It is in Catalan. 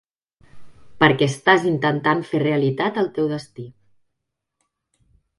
Perquè estàs intentant fer realitat el teu destí.